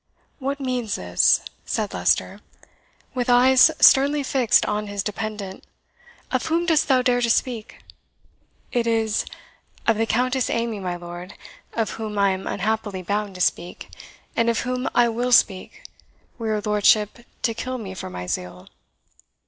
"What means this?" said Leicester, with eyes sternly fixed on his dependant; "of whom dost thou dare to speak?" "It is of the Countess Amy, my lord, of whom I am unhappily bound to speak; and of whom I WILL speak, were your lordship to kill me for my zeal."